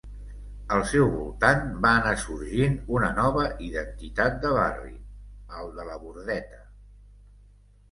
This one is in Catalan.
Al seu voltant va anar sorgint una nova identitat de barri, el de La Bordeta.